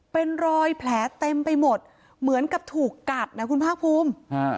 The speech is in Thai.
เป็นรอยแผลเต็มไปหมดเหมือนกับถูกกัดนะคุณภาคภูมิ